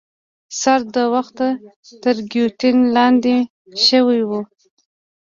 سر د وخته تر ګیوتین لاندي شوی وو.